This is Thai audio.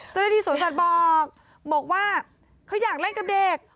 เจ้าหน้าที่สวนสัตว์บอกบอกว่าเขาอยากเล่นกับเด็ก